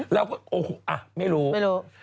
แล้วก็โอ้โหอะไม่รู้